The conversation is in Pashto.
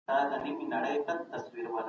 کروسینسکي ویلي دي چې محمود پوه او هوښیار و.